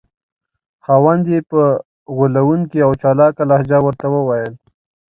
خاوند یې په غولونکې او چالاکه لهجه ورته وویل.